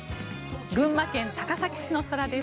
群馬県高崎市の空です。